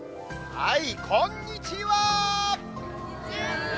はい、こんにちは。